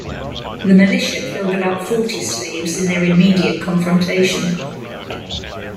The militia killed about forty slaves in their immediate confrontation.